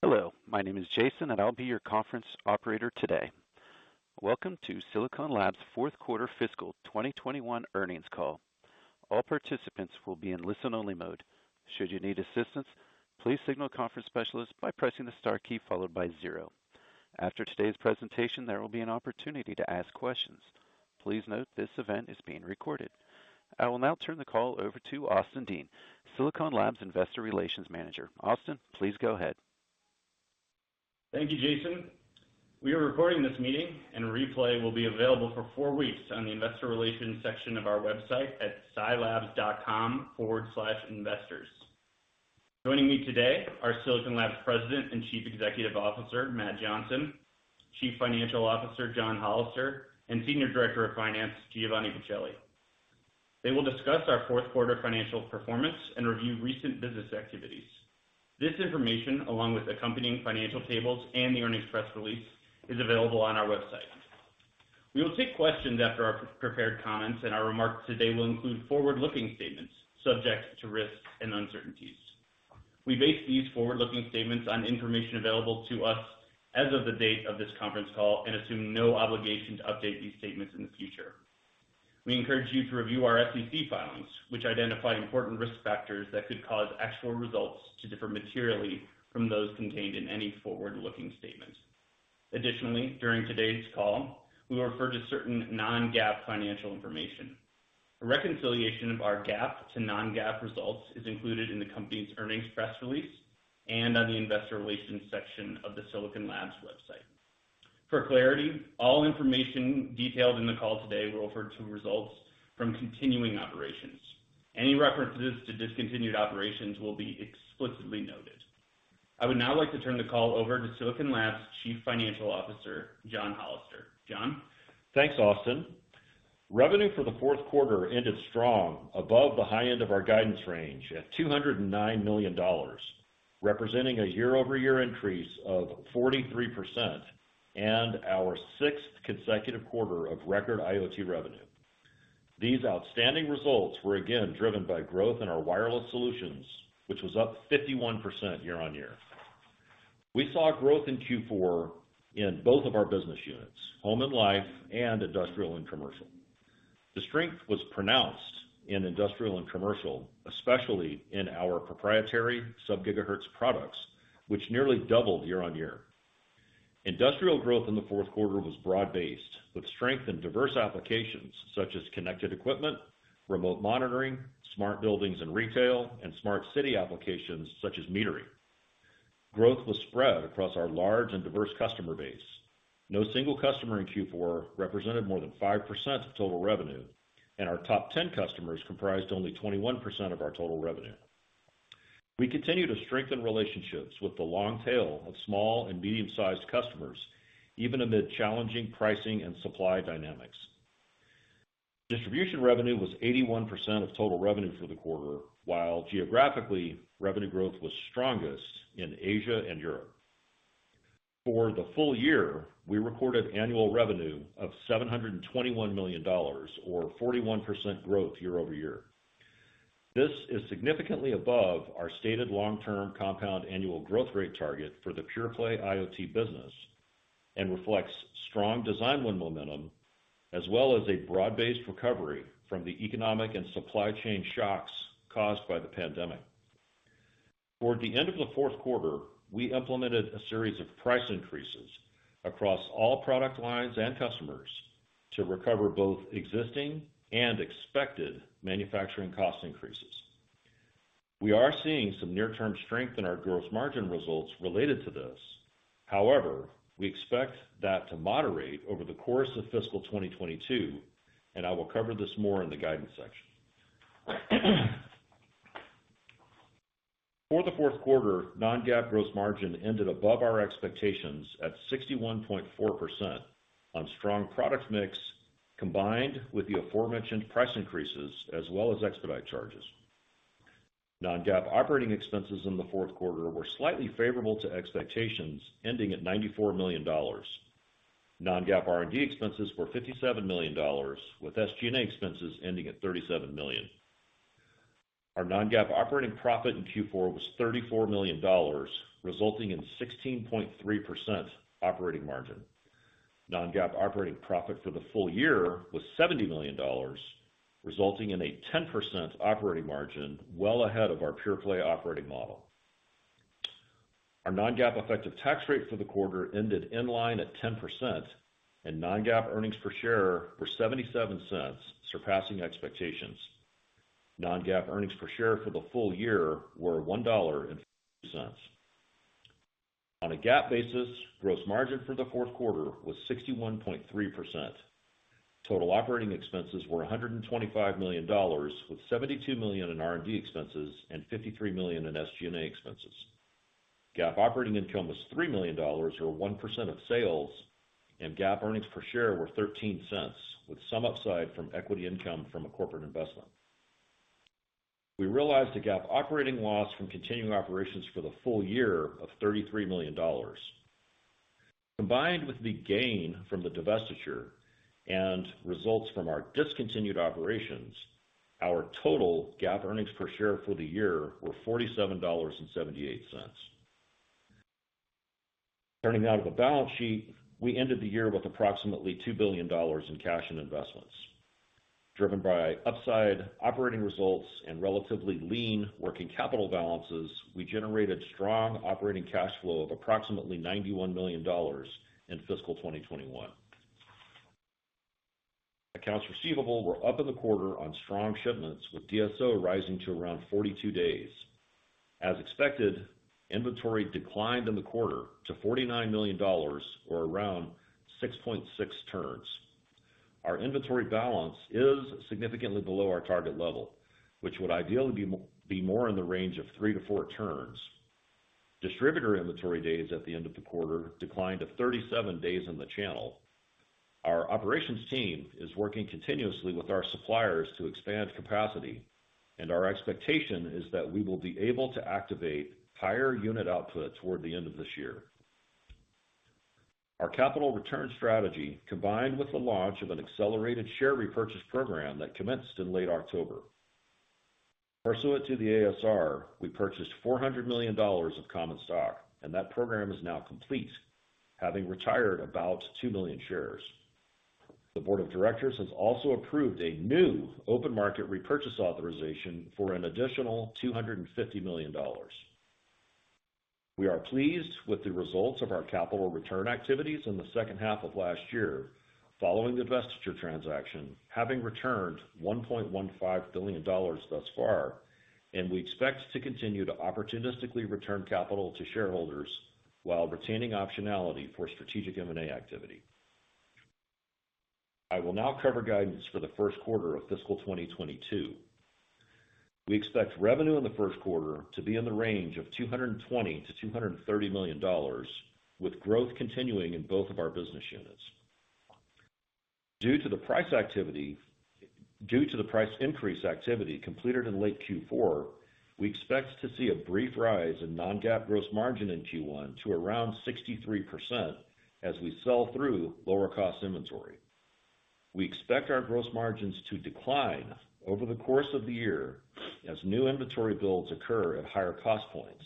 Hello, my name is Jason, and I'll be your conference operator today. Welcome to Silicon Labs' fourth quarter fiscal 2021 earnings call. All participants will be in listen-only mode. Should you need assistance, please signal conference specialist by pressing the star key followed by zero. After today's presentation, there will be an opportunity to ask questions. Please note this event is being recorded. I will now turn the call over to Austin Dean, Silicon Labs' Investor Relations Manager. Austin, please go ahead. Thank you, Jason. We are recording this meeting and a replay will be available for four weeks on the investor relations section of our website at silabs.com/investors. Joining me today are Silicon Labs President and Chief Executive Officer, Matt Johnson, Chief Financial Officer, John Hollister, and Senior Director of Finance, Giovanni Pacelli. They will discuss our fourth quarter financial performance and review recent business activities. This information, along with accompanying financial tables and the earnings press release, is available on our website. We will take questions after our prepared comments, and our remarks today will include forward-looking statements subject to risks and uncertainties. We base these forward-looking statements on information available to us as of the date of this conference call and assume no obligation to update these statements in the future. We encourage you to review our SEC filings, which identify important risk factors that could cause actual results to differ materially from those contained in any forward-looking statement. Additionally, during today's call, we will refer to certain non-GAAP financial information. A reconciliation of our GAAP to non-GAAP results is included in the company's earnings press release and on the investor relations section of the Silicon Labs website. For clarity, all information detailed in the call today will refer to results from continuing operations. Any references to discontinued operations will be explicitly noted. I would now like to turn the call over to Silicon Labs' Chief Financial Officer, John Hollister. John? Thanks, Austin. Revenue for the fourth quarter ended strong above the high end of our guidance range at $209 million, representing a year-over-year increase of 43% and our sixth consecutive quarter of record IoT revenue. These outstanding results were again driven by growth in our wireless solutions, which was up 51% year-over-year. We saw growth in Q4 in both of our business units, Home and Life and Industrial and Commercial. The strength was pronounced in Industrial and Commercial, especially in our proprietary sub-gigahertz products, which nearly doubled year-over-year. Industrial growth in the fourth quarter was broad-based with strength in diverse applications such as connected equipment, remote monitoring, smart buildings and retail, and smart city applications such as metering. Growth was spread across our large and diverse customer base. No single customer in Q4 represented more than 5% of total revenue, and our top ten customers comprised only 21% of our total revenue. We continue to strengthen relationships with the long tail of small and medium-sized customers, even amid challenging pricing and supply dynamics. Distribution revenue was 81% of total revenue for the quarter, while geographically, revenue growth was strongest in Asia and Europe. For the full year, we recorded annual revenue of $721 million or 41% growth year-over-year. This is significantly above our stated long-term compound annual growth rate target for the pure play IoT business and reflects strong design win momentum, as well as a broad-based recovery from the economic and supply chain shocks caused by the pandemic. Toward the end of the fourth quarter, we implemented a series of price increases across all product lines and customers to recover both existing and expected manufacturing cost increases. We are seeing some near-term strength in our gross margin results related to this. However, we expect that to moderate over the course of fiscal 2022, and I will cover this more in the guidance section. For the fourth quarter, non-GAAP gross margin ended above our expectations at 61.4% on strong product mix, combined with the aforementioned price increases as well as expedite charges. Non-GAAP operating expenses in the fourth quarter were slightly favorable to expectations, ending at $94 million. Non-GAAP R&D expenses were $57 million, with SG&A expenses ending at $37 million. Our non-GAAP operating profit in Q4 was $34 million, resulting in 16.3% operating margin. Non-GAAP operating profit for the full year was $70 million, resulting in a 10% operating margin, well ahead of our pure play operating model. Our non-GAAP effective tax rate for the quarter ended in line at 10%, and non-GAAP earnings per share were $0.77, surpassing expectations. Non-GAAP earnings per share for the full year were $1.50. On a GAAP basis, gross margin for the fourth quarter was 61.3%. Total operating expenses were $125 million, with $72 million in R&D expenses and $53 million in SG&A expenses. GAAP operating income was $3 million, or 1% of sales, and GAAP earnings per share were $0.13, with some upside from equity income from a corporate investment. We realized a GAAP operating loss from continuing operations for the full year of $33 million. Combined with the gain from the divestiture and results from our discontinued operations, our total GAAP earnings per share for the year were $47.78. Turning now to the balance sheet. We ended the year with approximately $2 billion in cash and investments. Driven by upside operating results and relatively lean working capital balances, we generated strong operating cash flow of approximately $91 million in fiscal 2021. Accounts receivable were up in the quarter on strong shipments, with DSO rising to around 42 days. As expected, inventory declined in the quarter to $49 million or around 6.6 turns. Our inventory balance is significantly below our target level, which would ideally be more in the range of 3-4 turns. Distributor inventory days at the end of the quarter declined to 37 days in the channel. Our operations team is working continuously with our suppliers to expand capacity, and our expectation is that we will be able to activate higher unit output toward the end of this year. Our capital return strategy, combined with the launch of an accelerated share repurchase program that commenced in late October, pursuant to the ASR, we purchased $400 million of common stock and that program is now complete, having retired about two million shares. The Board of Directors has also approved a new open market repurchase authorization for an additional $250 million. We are pleased with the results of our capital return activities in the second half of last year, following the divestiture transaction, having returned $1.15 billion thus far, and we expect to continue to opportunistically return capital to shareholders while retaining optionality for strategic M&A activity. I will now cover guidance for the first quarter of fiscal 2022. We expect revenue in the first quarter to be in the range of $220 million-$230 million, with growth continuing in both of our business units. Due to the price increase activity completed in late Q4, we expect to see a brief rise in non-GAAP gross margin in Q1 to around 63% as we sell through lower cost inventory. We expect our gross margins to decline over the course of the year as new inventory builds occur at higher cost points.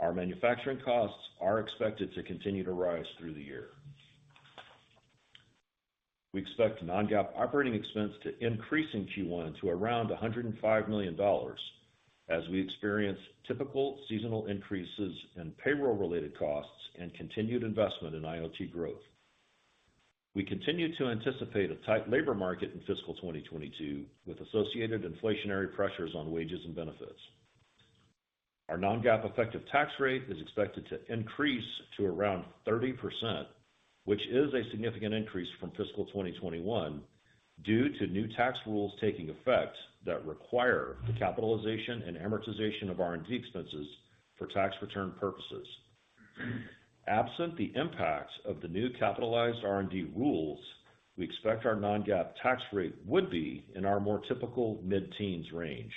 Our manufacturing costs are expected to continue to rise through the year. We expect non-GAAP operating expense to increase in Q1 to around $105 million as we experience typical seasonal increases in payroll-related costs and continued investment in IoT growth. We continue to anticipate a tight labor market in fiscal 2022 with associated inflationary pressures on wages and benefits. Our non-GAAP effective tax rate is expected to increase to around 30%, which is a significant increase from fiscal 2021 due to new tax rules taking effect that require the capitalization and amortization of R&D expenses for tax return purposes. Absent the impact of the new capitalized R&D rules, we expect our non-GAAP tax rate would be in our more typical mid-teens range.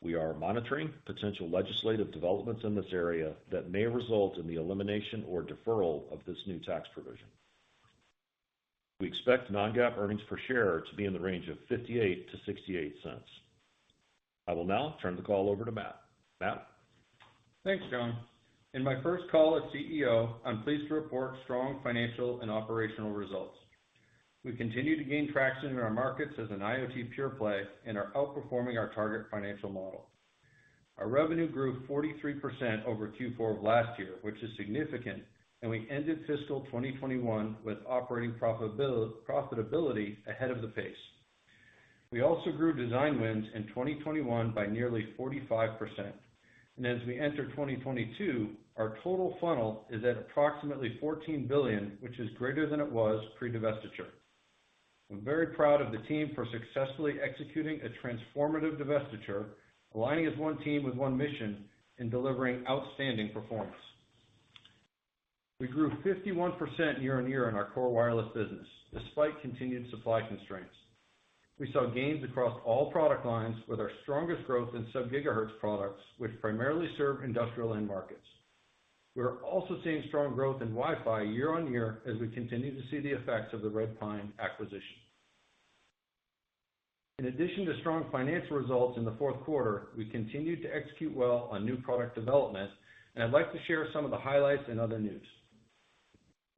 We are monitoring potential legislative developments in this area that may result in the elimination or deferral of this new tax provision. We expect non-GAAP earnings per share to be in the range of $0.58-$0.68. I will now turn the call over to Matt. Matt? Thanks, John. In my first call as CEO, I'm pleased to report strong financial and operational results. We continue to gain traction in our markets as an IoT pure play and are outperforming our target financial model. Our revenue grew 43% over Q4 of last year, which is significant, and we ended fiscal 2021 with operating profitability ahead of the pace. We also grew design wins in 2021 by nearly 45%. As we enter 2022, our total funnel is at approximately $14 billion, which is greater than it was pre-divestiture. I'm very proud of the team for successfully executing a transformative divestiture, aligning as one team with one mission in delivering outstanding performance. We grew 51% year-on-year in our core wireless business, despite continued supply constraints. We saw gains across all product lines with our strongest growth in sub-gigahertz products, which primarily serve industrial end markets. We're also seeing strong growth in Wi-Fi year-over-year as we continue to see the effects of the Redpine acquisition. In addition to strong financial results in the fourth quarter, we continued to execute well on new product development, and I'd like to share some of the highlights and other news.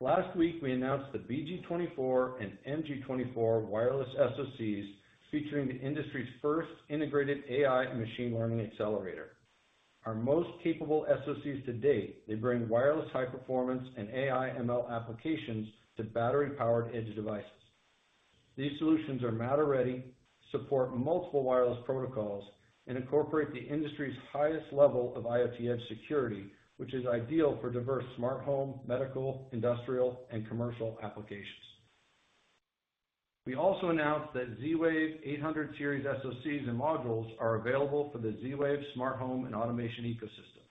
Last week, we announced the BG24 and MG24 wireless SoCs featuring the industry's first integrated AI machine learning accelerator. Our most capable SoCs to date, they bring wireless high performance and AI ML applications to battery-powered edge devices. These solutions are Matter-ready, support multiple wireless protocols, and incorporate the industry's highest level of IoT edge security, which is ideal for diverse smart home, medical, industrial, and commercial applications. We also announced that Z-Wave 800 series SoCs and modules are available for the Z-Wave smart home and automation ecosystem.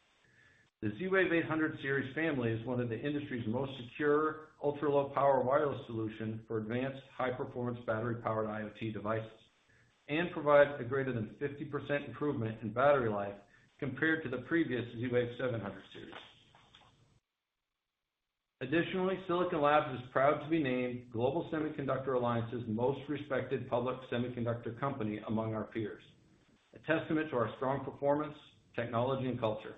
The Z-Wave 800 series family is one of the industry's most secure, ultra-low power wireless solution for advanced high-performance battery-powered IoT devices. It provides a greater than 50% improvement in battery life compared to the previous Z-Wave 700 series. Additionally, Silicon Labs is proud to be named Global Semiconductor Alliance's most respected public semiconductor company among our peers, a testament to our strong performance, technology and culture.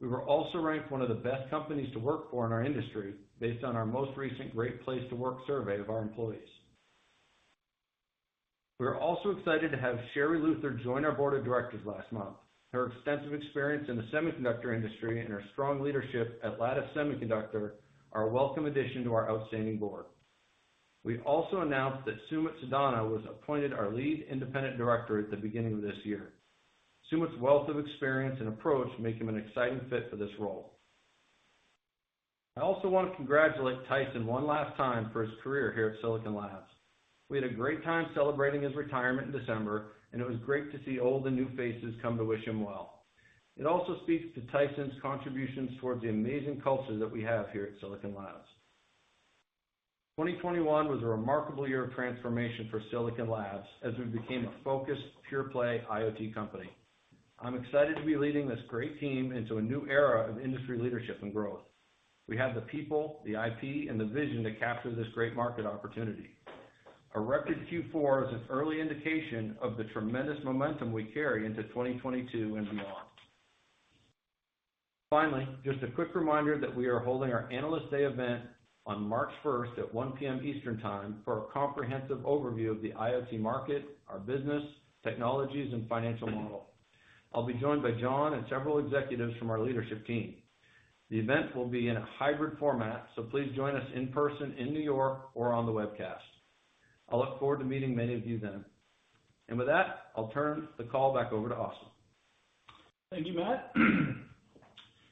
We were also ranked one of the best companies to work for in our industry based on our most recent Great Place to Work survey of our employees. We're also excited to have Sherri Luther join our board of directors last month. Her extensive experience in the semiconductor industry and her strong leadership at Lattice Semiconductor are a welcome addition to our outstanding board. We've also announced that Sumit Sadana was appointed our lead independent director at the beginning of this year. Sumit's wealth of experience and approach make him an exciting fit for this role. I also want to congratulate Tyson one last time for his career here at Silicon Labs. We had a great time celebrating his retirement in December, and it was great to see old and new faces come to wish him well. It also speaks to Tyson's contributions towards the amazing culture that we have here at Silicon Labs. 2021 was a remarkable year of transformation for Silicon Labs as we became a focused, pure play IoT company. I'm excited to be leading this great team into a new era of industry leadership and growth. We have the people, the IP, and the vision to capture this great market opportunity. A record Q4 is an early indication of the tremendous momentum we carry into 2022 and beyond. Finally, just a quick reminder that we are holding our Analyst Day event on March first at 1:00 P.M. Eastern time for a comprehensive overview of the IoT market, our business, technologies, and financial model. I'll be joined by John and several executives from our leadership team. The event will be in a hybrid format, so please join us in person in New York or on the webcast. I look forward to meeting many of you then. With that, I'll turn the call back over to Austin. Thank you, Matt.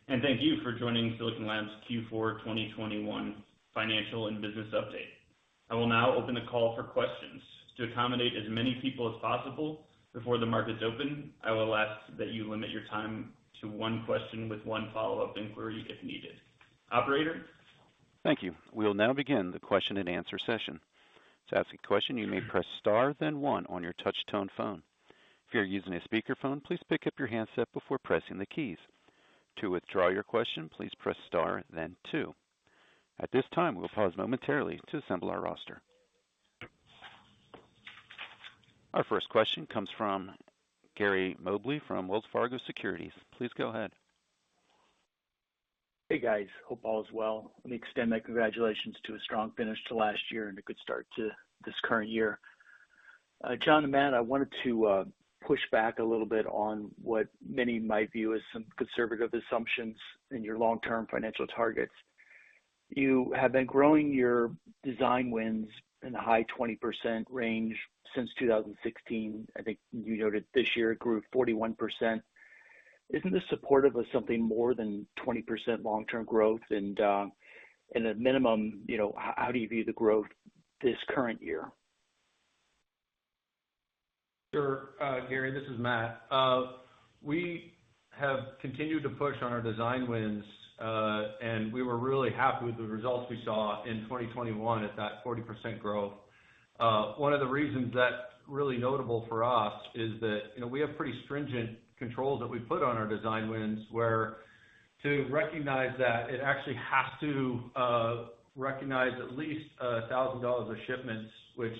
Thank you for joining Silicon Labs' Q4 2021 financial and business update. I will now open the call for questions. To accommodate as many people as possible before the markets open, I will ask that you limit your time to one question with one follow-up inquiry if needed. Operator? Thank you. We'll now begin the question and answer session. To ask a question, you may press star then one on your touch tone phone. If you're using a speaker phone, please pick up your handset before pressing the keys. To withdraw your question, please press star then two. At this time, we'll pause momentarily to assemble our roster. Our first question comes from Gary Mobley from Wells Fargo Securities. Please go ahead. Hey, guys. Hope all is well. Let me extend my congratulations to a strong finish to last year and a good start to this current year. John and Matt, I wanted to push back a little bit on what many might view as some conservative assumptions in your long-term financial targets. You have been growing your design wins in the high 20% range since 2016. I think you noted this year it grew 41%. Isn't this supportive of something more than 20% long-term growth? At a minimum, you know, how do you view the growth this current year? Sure. Gary, this is Matt. We have continued to push on our design wins, and we were really happy with the results we saw in 2021 at that 40% growth. One of the reasons that's really notable for us is that, you know, we have pretty stringent controls that we put on our design wins, where to recognize that it actually has to recognize at least $1,000 of shipments, which,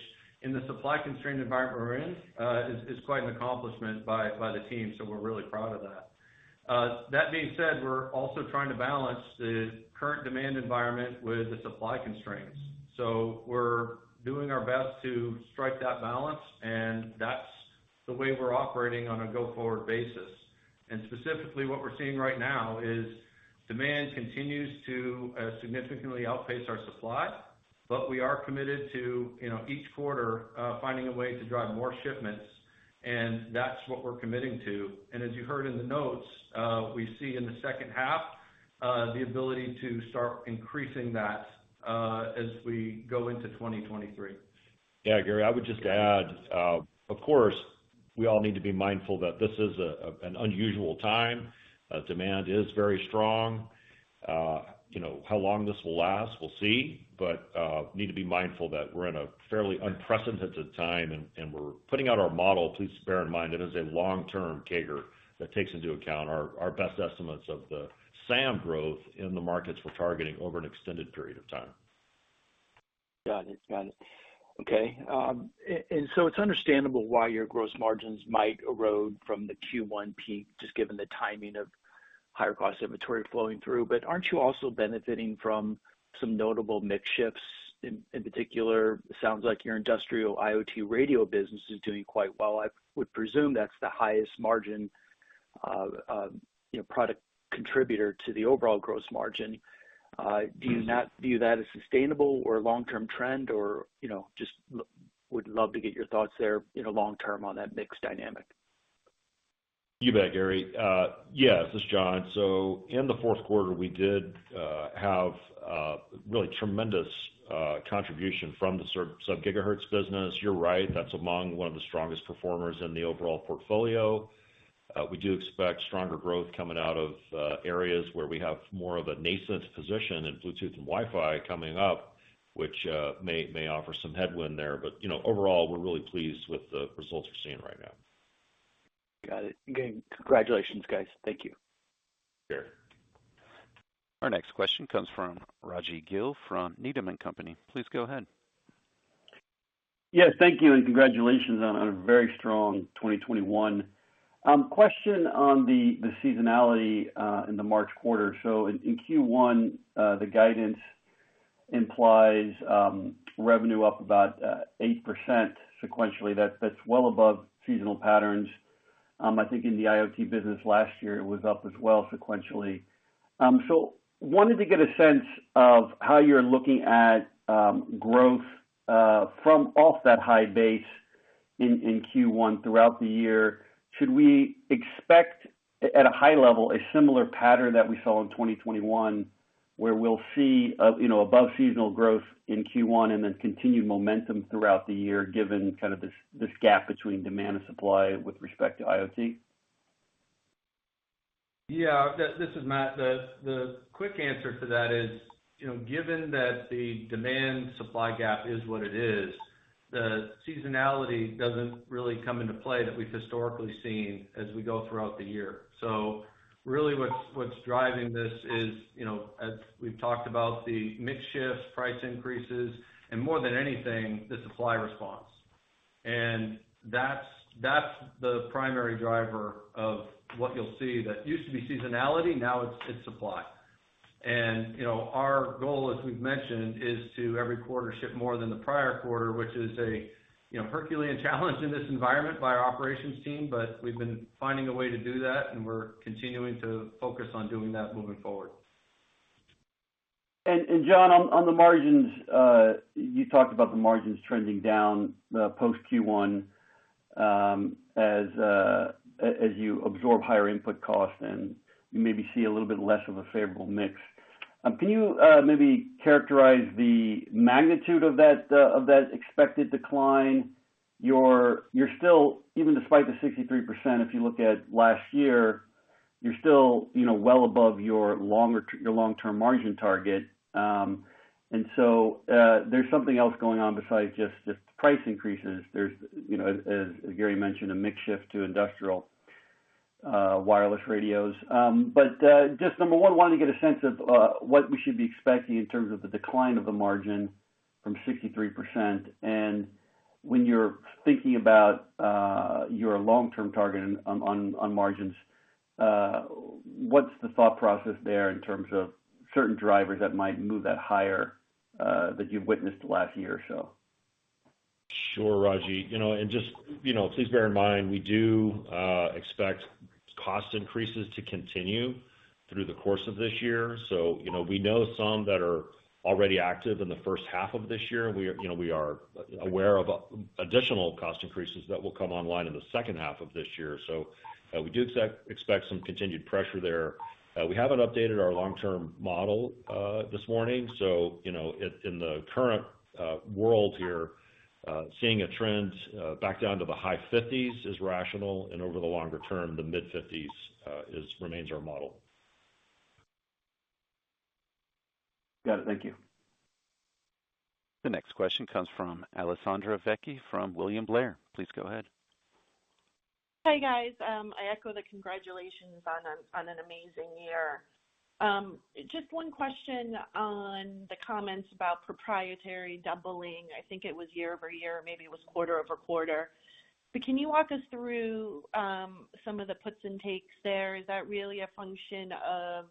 in the supply constrained environment we're in, is quite an accomplishment by the team. We're really proud of that. That being said, we're also trying to balance the current demand environment with the supply constraints. We're doing our best to strike that balance, and that's the way we're operating on a go-forward basis. Specifically, what we're seeing right now is demand continues to significantly outpace our supply, but we are committed to, you know, each quarter, finding a way to drive more shipments, and that's what we're committing to. As you heard in the notes, we see in the second half, the ability to start increasing that, as we go into 2023. Yeah. Gary, I would just add, of course, we all need to be mindful that this is an unusual time. Demand is very strong. You know, how long this will last, we'll see. Need to be mindful that we're in a fairly unprecedented time, and we're putting out our model. Please bear in mind it is a long-term CAGR that takes into account our best estimates of the SAM growth in the markets we're targeting over an extended period of time. Got it. Okay. It's understandable why your gross margins might erode from the Q1 peak, just given the timing of higher cost inventory flowing through. Aren't you also benefiting from some notable mix shifts? In particular, it sounds like your industrial IoT radio business is doing quite well. I would presume that's the highest margin, you know, product contributor to the overall gross margin. Do you not view that as sustainable or long-term trend? You know, would love to get your thoughts there, you know, long term on that mix dynamic. You bet, Gary. Yeah, this is John. In the fourth quarter, we did have really tremendous contribution from the sub-gigahertz business. You're right, that's among one of the strongest performers in the overall portfolio. We do expect stronger growth coming out of areas where we have more of a nascent position in Bluetooth and Wi-Fi coming up, which may offer some headwind there. You know, overall, we're really pleased with the results we're seeing right now. Got it. Again, congratulations guys. Thank you. Sure. Our next question comes from Rajvindra Gill from Needham & Company. Please go ahead. Yes, thank you, and congratulations on a very strong 2021. Question on the seasonality in the March quarter. In Q1, the guidance implies revenue up about 8% sequentially. That's well above seasonal patterns. I think in the IoT business last year, it was up as well sequentially. Wanted to get a sense of how you're looking at growth from off that high base in Q1 throughout the year. Should we expect at a high level a similar pattern that we saw in 2021, where we'll see you know above seasonal growth in Q1 and then continued momentum throughout the year, given this gap between demand and supply with respect to IoT? This is Matt. The quick answer to that is, you know, given that the demand supply gap is what it is, the seasonality doesn't really come into play that we've historically seen as we go throughout the year. Really what's driving this is, you know, as we've talked about the mix shift, price increases, and more than anything, the supply response. That's the primary driver of what you'll see that used to be seasonality, now it's supply. You know, our goal, as we've mentioned, is to every quarter ship more than the prior quarter, which is, you know, a herculean challenge in this environment by our operations team, but we've been finding a way to do that, and we're continuing to focus on doing that moving forward. John, on the margins, you talked about the margins trending down post Q1, as you absorb higher input costs and you maybe see a little bit less of a favorable mix. Can you maybe characterize the magnitude of that expected decline? You're still, even despite the 63%, if you look at last year, you're still you know, well above your long-term margin target. There's something else going on besides just the price increases. There's you know, as Gary mentioned, a mix shift to industrial wireless radios. Just number one, wanted to get a sense of what we should be expecting in terms of the decline of the margin from 63%. When you're thinking about your long-term target on margins, what's the thought process there in terms of certain drivers that might move that higher that you've witnessed the last year or so? Sure, Raji. You know, please bear in mind, we do expect cost increases to continue through the course of this year. You know, we know some that are already active in the first half of this year. We are aware of additional cost increases that will come online in the second half of this year. We do expect some continued pressure there. We haven't updated our long-term model this morning. You know, in the current world here, seeing a trend back down to the high 50s% is rational. Over the longer term, the mid-50s% remains our model. Got it. Thank you. The next question comes from Alessandra Vecchi from William Blair. Please go ahead. Hi, guys. I echo the congratulations on an amazing year. Just one question on the comments about proprietary doubling. I think it was year over year, or maybe it was quarter over quarter. Can you walk us through some of the puts and takes there? Is that really a function of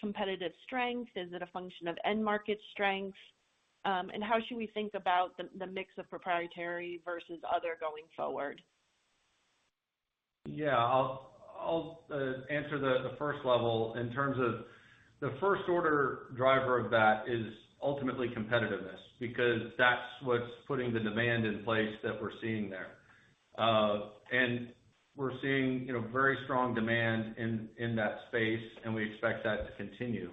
competitive strength? Is it a function of end market strength? And how should we think about the mix of proprietary versus other going forward? Yeah. I'll answer the first level in terms of the first order driver of that is ultimately competitiveness, because that's what's putting the demand in place that we're seeing there. We're seeing, you know, very strong demand in that space, and we expect that to continue.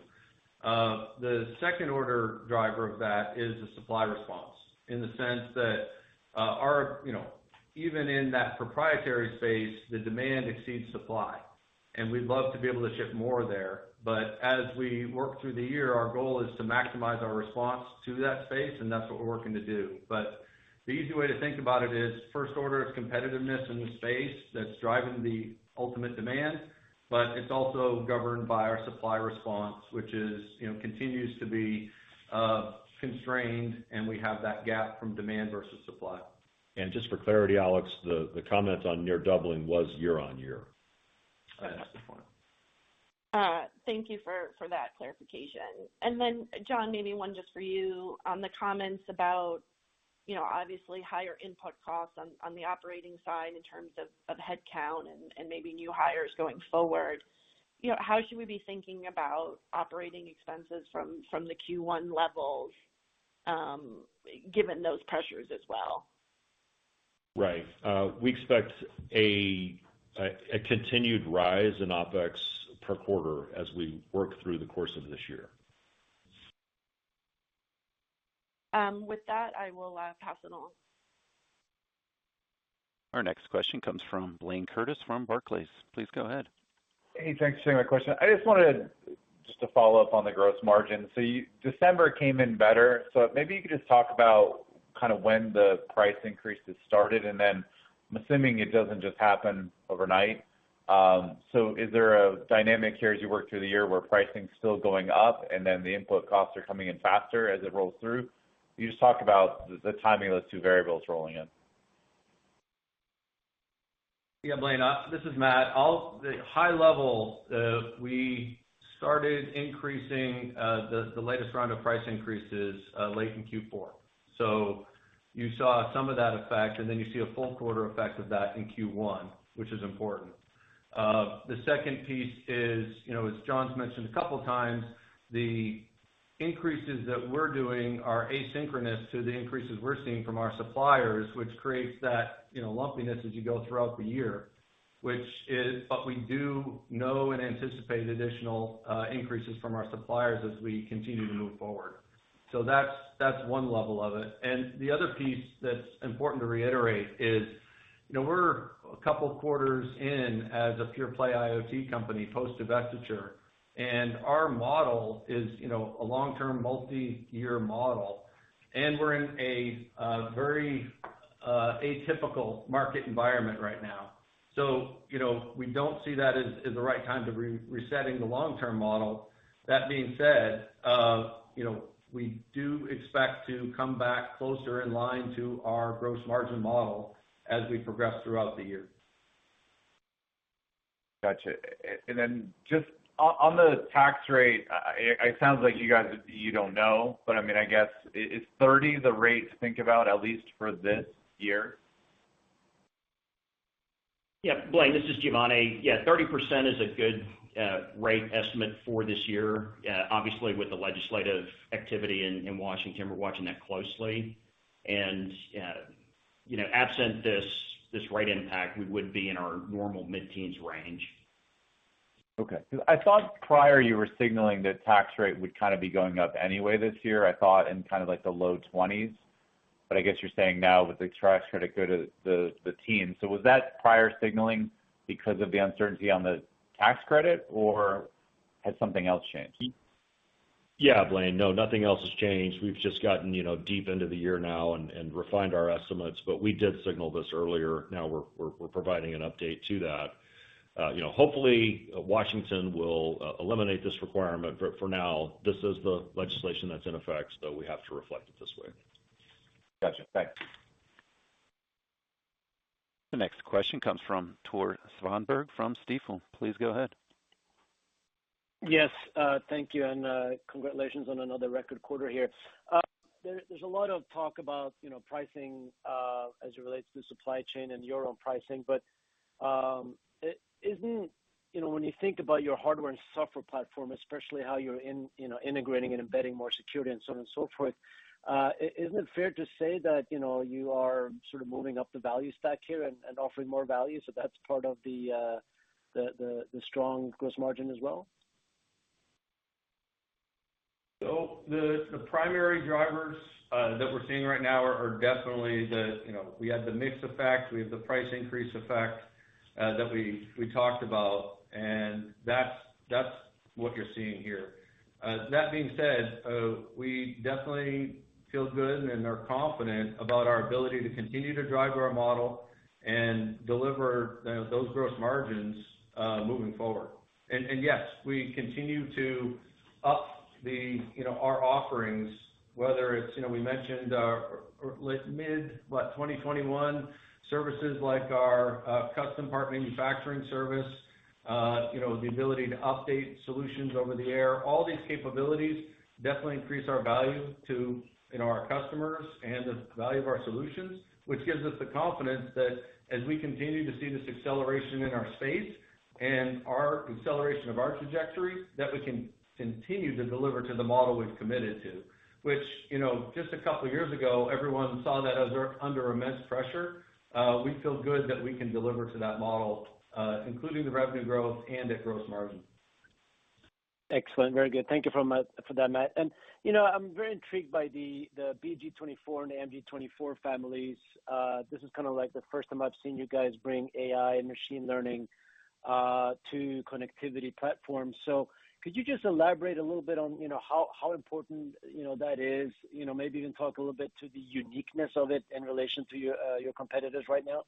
The second order driver of that is the supply response, in the sense that our you know even in that proprietary space, the demand exceeds supply, and we'd love to be able to ship more there. As we work through the year, our goal is to maximize our response to that space, and that's what we're working to do. The easy way to think about it is first order of competitiveness in the space that's driving the ultimate demand, but it's also governed by our supply response, which is, you know, continues to be constrained, and we have that gap from demand versus supply. Just for clarity, Alessandra, the comment on near doubling was year-on-year. Yes. Thank you for that clarification. Then John, maybe one just for you on the comments about, you know, obviously higher input costs on the operating side in terms of headcount and maybe new hires going forward. You know, how should we be thinking about operating expenses from the Q1 levels, given those pressures as well? Right. We expect a continued rise in OpEx per quarter as we work through the course of this year. With that, I will pass it on. Our next question comes from Blayne Curtis from Barclays. Please go ahead. Hey, thanks for taking my question. I just wanted to follow up on the gross margin. December came in better. Maybe you could just talk about kind of when the price increases started, and then I'm assuming it doesn't just happen overnight. Is there a dynamic here as you work through the year where pricing is still going up, and then the input costs are coming in faster as it rolls through? Can you just talk about the timing of those two variables rolling in. Yeah, Blayne, this is Matt. The high level, we started increasing the latest round of price increases late in Q4. You saw some of that effect, and then you see a full quarter effect of that in Q1, which is important. The second piece is, you know, as John's mentioned a couple of times, the increases that we're doing are asynchronous to the increases we're seeing from our suppliers, which creates that, you know, lumpiness as you go throughout the year. But we do know and anticipate additional increases from our suppliers as we continue to move forward. That's one level of it. The other piece that's important to reiterate is, you know, we're a couple quarters in as a pure-play IoT company post-divestiture, and our model is, you know, a long-term multi-year model, and we're in a very atypical market environment right now. You know, we don't see that as the right time to resetting the long-term model. That being said, you know, we do expect to come back closer in line to our gross margin model as we progress throughout the year. Gotcha. Then just on the tax rate, it sounds like you guys, you don't know, but I mean, I guess, is 30% the rate to think about at least for this year? Yeah. Blayne, this is Giovanni. Yeah, 30% is a good rate estimate for this year. Obviously, with the legislative activity in Washington, we're watching that closely. You know, absent this rate impact, we would be in our normal mid-teens range. Okay. 'Cause I thought prior you were signaling that tax rate would kinda be going up anyway this year. I thought in kinda like the low 20s%. I guess you're saying now with the tax credit go to the teens%. Was that prior signaling because of the uncertainty on the tax credit or has something else changed? Yeah, Blayne. No, nothing else has changed. We've just gotten deep into the year now and refined our estimates. We did signal this earlier. Now we're providing an update to that. Hopefully, Washington will eliminate this requirement, but for now, this is the legislation that's in effect, so we have to reflect it this way. Gotcha. Thanks. The next question comes from Tore Svanberg from Stifel. Please go ahead. Yes, thank you, and congratulations on another record quarter here. There's a lot of talk about, you know, pricing, as it relates to supply chain and your own pricing. Isn't, you know, when you think about your hardware and software platform, especially how you're integrating and embedding more security and so on and so forth, isn't it fair to say that, you know, you are sort of moving up the value stack here and offering more value, so that's part of the strong gross margin as well? The primary drivers that we're seeing right now are definitely, you know, we had the mix effect, we have the price increase effect that we talked about, and that's what you're seeing here. That being said, we definitely feel good and are confident about our ability to continue to drive our model and deliver, you know, those gross margins moving forward. Yes, we continue to uplevel, you know, our offerings, whether it's, you know, we mentioned our Matter, late mid-2021 services like our custom partner manufacturing service, you know, the ability to update solutions over the air. All these capabilities definitely increase our value to, you know, our customers and the value of our solutions, which gives us the confidence that as we continue to see this acceleration in our space and our acceleration of our trajectory, that we can continue to deliver to the model we've committed to. Which, you know, just a couple of years ago, everyone saw that as we're under immense pressure. We feel good that we can deliver to that model, including the revenue growth and the gross margin. Excellent. Very good. Thank you for that, Matt. I'm very intrigued by the BG24 and the MG24 families. This is kinda like the first time I've seen you guys bring AI and machine learning to connectivity platforms. Could you just elaborate a little bit on how important that is? Maybe even talk a little bit to the uniqueness of it in relation to your competitors right now.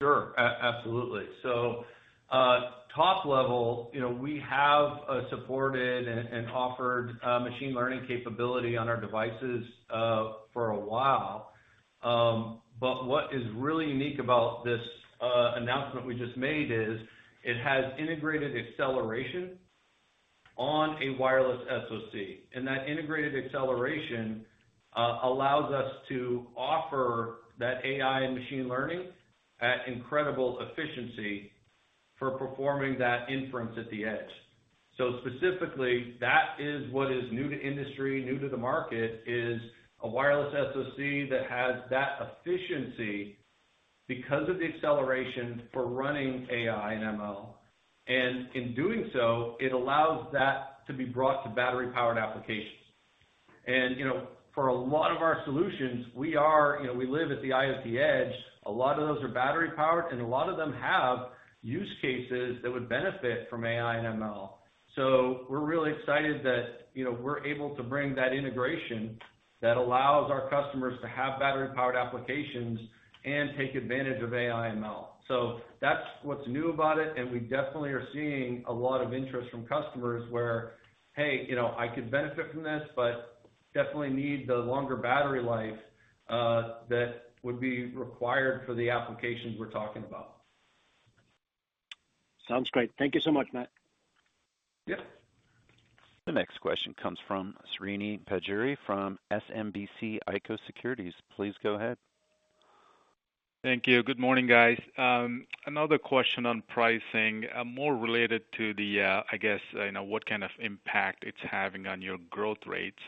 Sure. Absolutely. Top level, you know, we have supported and offered machine learning capability on our devices for a while. What is really unique about this announcement we just made is it has integrated acceleration on a wireless SoC. That integrated acceleration allows us to offer that AI and machine learning at incredible efficiency for performing that inference at the edge. Specifically, that is what is new to industry, new to the market, is a wireless SoC that has that efficiency because of the acceleration for running AI and ML. In doing so, it allows that to be brought to battery-powered applications. You know, for a lot of our solutions, we are, you know, we live at the IoT edge. A lot of those are battery-powered, and a lot of them have use cases that would benefit from AI and ML. We're really excited that, you know, we're able to bring that integration that allows our customers to have battery-powered applications and take advantage of AI and ML. That's what's new about it, and we definitely are seeing a lot of interest from customers where, hey, you know, I could benefit from this, but definitely need the longer battery life that would be required for the applications we're talking about. Sounds great. Thank you so much, Matt. Yeah. The next question comes from Srini Pajjuri from SMBC Nikko Securities. Please go ahead. Thank you. Good morning, guys. Another question on pricing, more related to the, I guess, you know, what kind of impact it's having on your growth rates.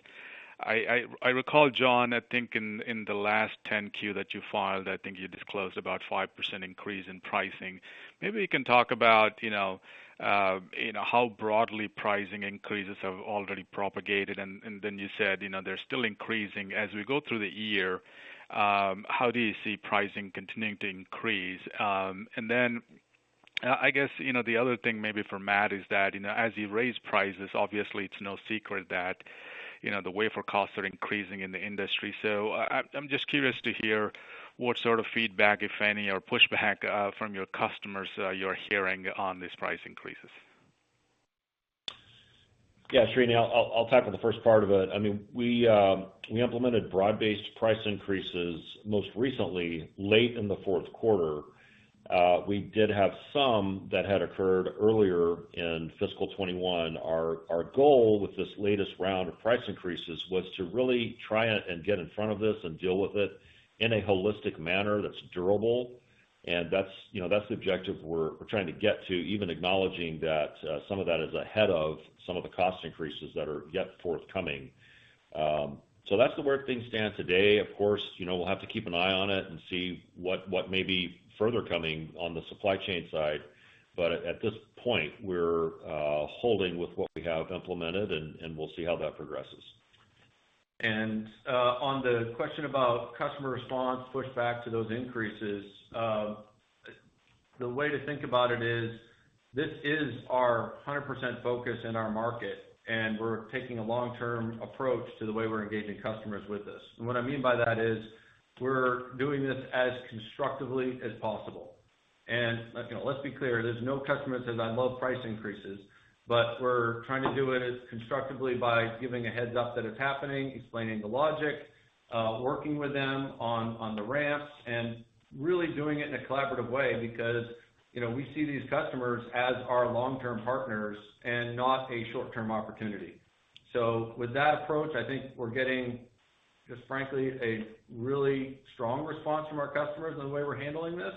I recall, John, I think in the last 10Q that you filed, I think you disclosed about 5% increase in pricing. Maybe you can talk about, you know, you know, how broadly pricing increases have already propagated, and then you said, you know, they're still increasing. As we go through the year, how do you see pricing continuing to increase? I guess, you know, the other thing maybe for Matt is that, you know, as you raise prices, obviously it's no secret that, you know, the wafer costs are increasing in the industry. I'm just curious to hear what sort of feedback, if any, or pushback from your customers you're hearing on these price increases? Yeah, Srini, I'll talk on the first part of it. I mean, we implemented broad-based price increases most recently late in the fourth quarter. We did have some that had occurred earlier in fiscal 2021. Our goal with this latest round of price increases was to really try and get in front of this and deal with it in a holistic manner that's durable. That's, you know, the objective we're trying to get to, even acknowledging that some of that is ahead of some of the cost increases that are yet forthcoming. So that's the way things stand today. Of course, you know, we'll have to keep an eye on it and see what may be further coming on the supply chain side. At this point, we're holding with what we have implemented, and we'll see how that progresses. On the question about customer response, pushback to those increases, the way to think about it is this is our 100% focus in our market, and we're taking a long-term approach to the way we're engaging customers with this. What I mean by that is we're doing this as constructively as possible. You know, let's be clear, there's no customer says, "I love price increases," but we're trying to do it as constructively by giving a heads-up that it's happening, explaining the logic, working with them on the ramp, and really doing it in a collaborative way. Because, you know, we see these customers as our long-term partners and not a short-term opportunity. With that approach, I think we're getting, just frankly, a really strong response from our customers on the way we're handling this.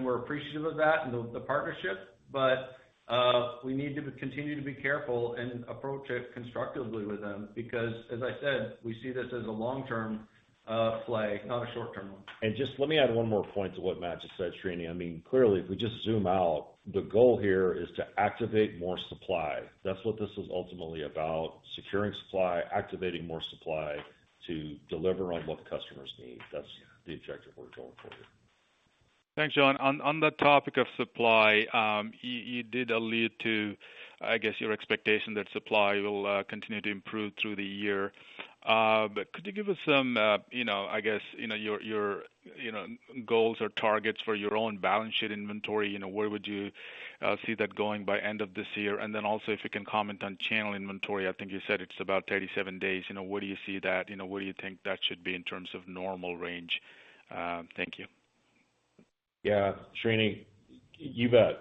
We're appreciative of that and the partnership. We need to continue to be careful and approach it constructively with them because, as I said, we see this as a long-term play, not a short-term one. Just let me add one more point to what Matt just said, Srini. I mean, clearly, if we just zoom out, the goal here is to activate more supply. That's what this is ultimately about, securing supply, activating more supply to deliver on what customers need. That's the objective we're going for. Thanks, John. On the topic of supply, you did allude to, I guess, your expectation that supply will continue to improve through the year. Could you give us some you know, I guess, you know, your you know goals or targets for your own balance sheet inventory? You know, where would you see that going by end of this year? If you can comment on channel inventory. I think you said it's about 37 days. You know, where do you see that? You know, where do you think that should be in terms of normal range? Thank you. Yeah. Srini, you bet.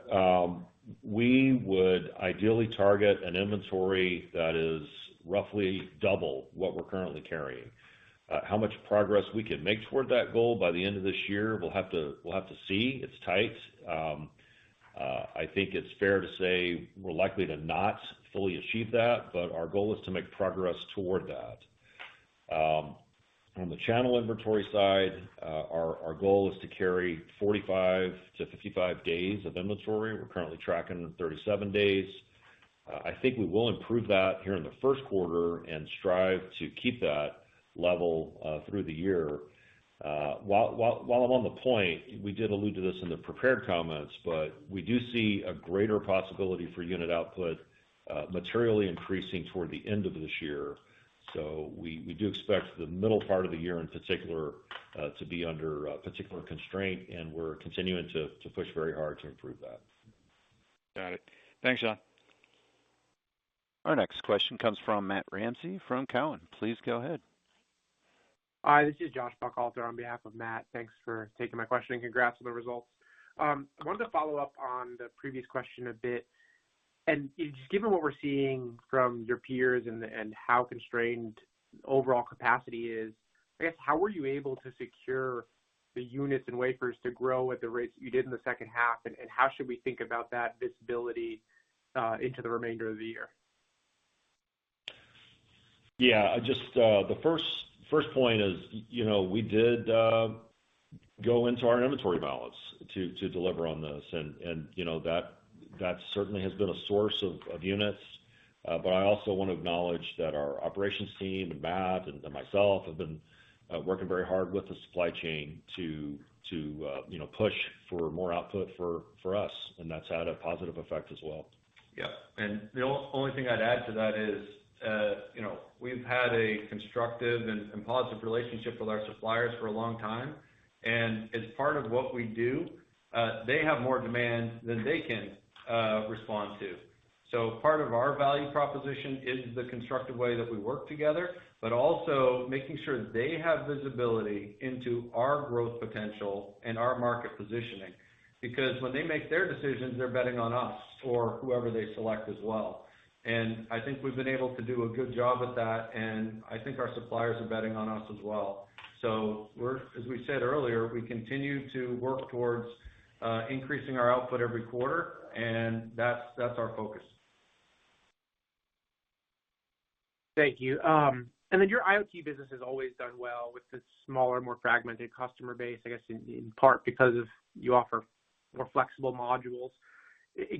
We would ideally target an inventory that is roughly double what we're currently carrying. How much progress we can make toward that goal by the end of this year, we'll have to see. It's tight. I think it's fair to say we're likely to not fully achieve that, but our goal is to make progress toward that. On the channel inventory side, our goal is to carry 45-55 days of inventory. We're currently tracking 37 days. I think we will improve that here in the first quarter and strive to keep that level through the year. While I'm on the point, we did allude to this in the prepared comments, but we do see a greater possibility for unit output materially increasing toward the end of this year. We do expect the middle part of the year in particular to be under particular constraint, and we're continuing to push very hard to improve that. Got it. Thanks, John. Our next question comes from Matthew Ramsay from Cowen. Please go ahead. Hi, this is Joshua Buchalter on behalf of Matt. Thanks for taking my question, and congrats on the results. I wanted to follow up on the previous question a bit. Just given what we're seeing from your peers and how constrained overall capacity is, I guess, how were you able to secure the units and wafers to grow at the rates you did in the second half? How should we think about that visibility into the remainder of the year? Yeah. Just the first point is, you know, we did go into our inventory balance to deliver on this. You know, that certainly has been a source of units. I also wanna acknowledge that our operations team and Matt and myself have been working very hard with the supply chain to, you know, push for more output for us, and that's had a positive effect as well. Yeah, the only thing I'd add to that is, you know, we've had a constructive and positive relationship with our suppliers for a long time. As part of what we do, they have more demand than they can respond to. Part of our value proposition is the constructive way that we work together, but also making sure they have visibility into our growth potential and our market positioning. Because when they make their decisions, they're betting on us or whoever they select as well. I think we've been able to do a good job at that, and I think our suppliers are betting on us as well. As we said earlier, we continue to work towards increasing our output every quarter, and that's our focus. Thank you. Your IoT business has always done well with the smaller, more fragmented customer base, I guess in part because you offer more flexible modules.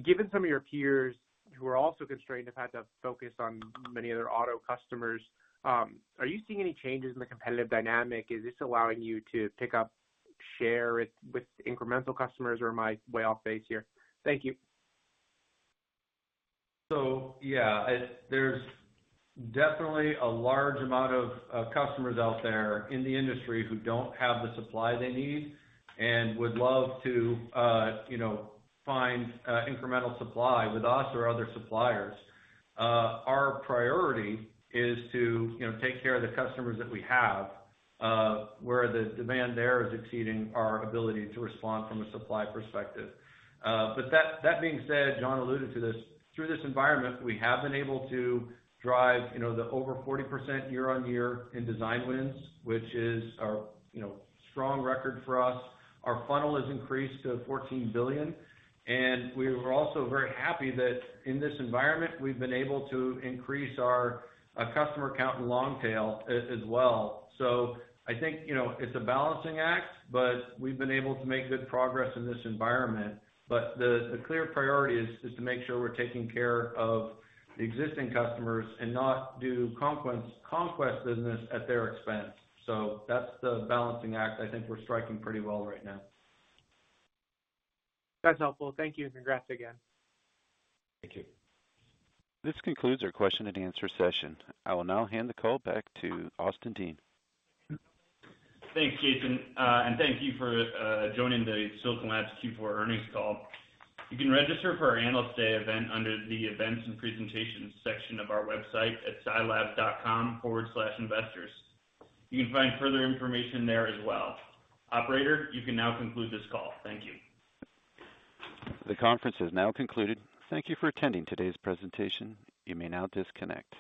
Given some of your peers who are also constrained have had to focus on many other auto customers, are you seeing any changes in the competitive dynamic? Is this allowing you to pick up share with incremental customers, or am I way off base here? Thank you. There's definitely a large amount of customers out there in the industry who don't have the supply they need and would love to, you know, find incremental supply with us or other suppliers. Our priority is to, you know, take care of the customers that we have, where the demand there is exceeding our ability to respond from a supply perspective. But that being said, John alluded to this, through this environment, we have been able to drive, you know, the over 40% year-on-year in design wins, which is our, you know, strong record for us. Our funnel has increased to $14 billion, and we're also very happy that in this environment, we've been able to increase our customer count in long tail as well. I think, you know, it's a balancing act, but we've been able to make good progress in this environment. The clear priority is to make sure we're taking care of the existing customers and not do conquest business at their expense. That's the balancing act I think we're striking pretty well right now. That's helpful. Thank you, and congrats again. Thank you. This concludes our question and answer session. I will now hand the call back to Austin Dean. Thanks, Jason. Thank you for joining the Silicon Labs Q4 earnings call. You can register for our Analyst Day event under the Events and Presentations section of our website at silabs.com/investors. You can find further information there as well. Operator, you can now conclude this call. Thank you. The conference is now concluded. Thank you for attending today's presentation. You may now disconnect.